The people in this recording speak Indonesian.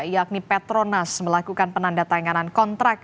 yakni petronas melakukan penanda tanganan kontrak